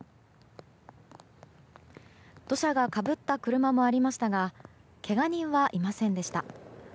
土砂がかぶった車もありましたがけが人はいませんでした。